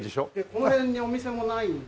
この辺にお店もないんで。